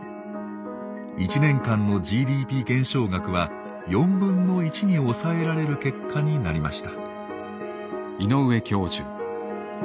１年間のＧＤＰ減少額は４分の１に抑えられる結果になりました。